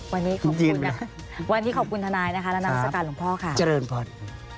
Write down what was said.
วันนี้ขอบคุณนะคะวันนี้ขอบคุณทนายนะคะและนามสการหลวงพ่อค่ะเจริญพร